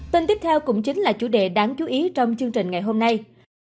tin tiếp theo cũng chính là chủ đề đáng chú ý trong chương trình ngày hôm nay